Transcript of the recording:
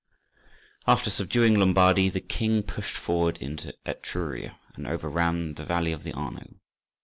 After subduing Lombardy the king pushed forward into Etruria, and overran the valley of the Arno.